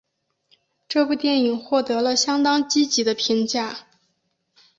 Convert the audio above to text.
这部电影获得了相当积极的评价。